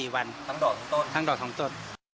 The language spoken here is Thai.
๒๔วันทั้งโดดทั้งต้น